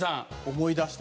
思い出した。